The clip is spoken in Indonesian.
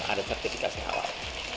ada vertifikasi halal